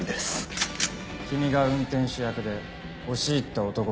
君が運転手役で押し入った男が２人？